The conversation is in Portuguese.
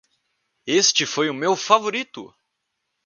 Este foi o meu favorito!